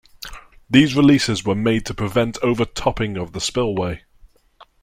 These releases were made to prevent overtopping of the spillway.